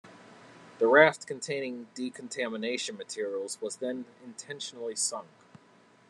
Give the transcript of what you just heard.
The raft containing decontamination materials was then intentionally sunk.